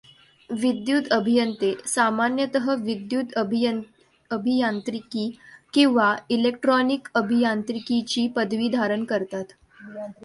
विद्युत अभियंते सामान्यत विद्युत अभियांत्रिकी किंवा इलेक्ट्रॉनिक अभियांत्रिकीची पदवी धारण करतात.